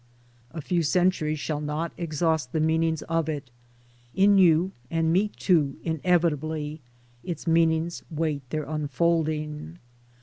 A few centuries shall not exhaust the meanings of it. In you and me too, inevitably, its meanings wait their unfolding.